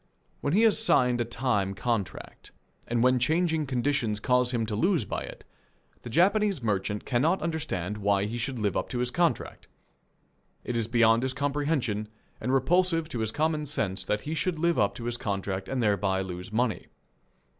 When he has signed a time contract and when changing conditions cause him to lose by it, the Japanese merchant cannot understand why he should live up to his contract. It is beyond his comprehension and repulsive to his common sense that he should live up to his contract and thereby lose money.